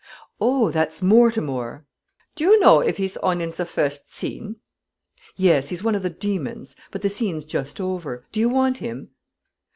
"Oh, that's Mortimore." "To you know if he's on in ze virsd zene?" "Yes. He's one of the demons; but the scene's just over. Do you want him?"